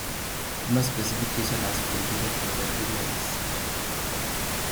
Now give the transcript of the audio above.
No specific reason has been given for the delays.